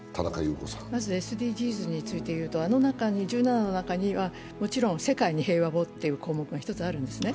まずＳＤＧｓについて言うと、あの１７の中には、もちろん世界に平和をという項目もあるんですね。